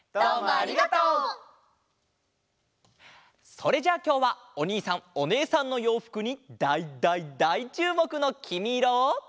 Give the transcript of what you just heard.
それじゃきょうはおにいさんおねえさんのようふくにだいだいだいちゅうもくの「きみイロ」を。